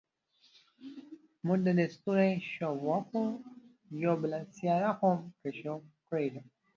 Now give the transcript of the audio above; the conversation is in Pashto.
موږ د دې ستوري شاوخوا یوه بله سیاره هم کشف کړې ده.